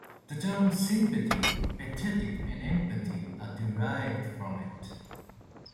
The terms "sympathy", "pathetic", and "empathy" are derived from it.